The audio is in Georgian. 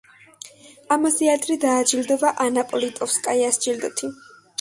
ამაზე ადრე დააჯილდოვა ანა პოლიტკოვსკაიას ჯილდოთი.